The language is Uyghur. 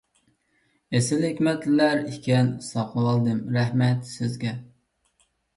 ئېسىل ھېكمەتلەر ئىكەن، ساقلىۋالدىم. رەھمەت سىزگە!